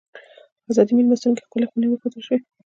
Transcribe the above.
ازادۍ مېلمستون کې ښکلې خونې وښودل شوې.